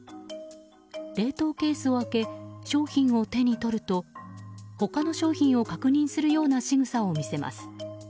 冷凍ケースを開け商品を手に取ると他の商品を確認するようなしぐさを見せます。